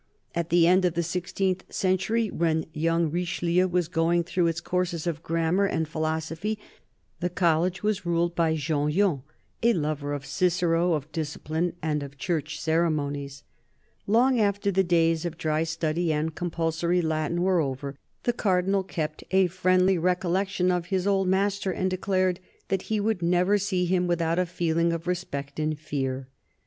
At the end of the sixteenth century, when young Richelieu was going through its courses of "grammar" and "philo sophy," the college was ruled by Jean Yon, a lover of Cicero, of discipline, and of Church ceremonies. Long after the days of dry study and compulsory Latin were over, the Cardinal kept a friendly recollection of his old master, and declared that he could never see him without " a feeling of respect and fear."